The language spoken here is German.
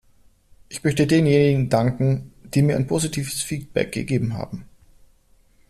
Ich möchte denjenigen danken, die mir ein positives Feedback gegeben haben.